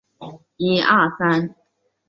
司马宗勒兵反抗但被赵胤击杀。